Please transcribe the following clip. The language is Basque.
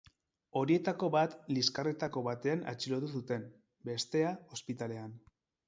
Horietako bat liskarretako batean atxilotu zuten, bestea, ospitalean.